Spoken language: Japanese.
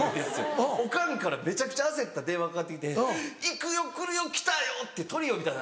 オカンからめちゃくちゃ焦った電話かかって来て「いくよ・くるよきたよ！」ってトリオみたいな。